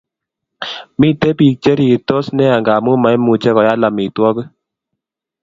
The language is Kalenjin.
Miten pik che rirtos nea ngamu maimuche koyal amitwakik